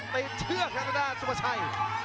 ติดเชื้อข้างด้านสุประชัย